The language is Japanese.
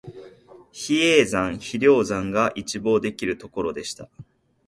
比叡山、比良山が一望できるところでした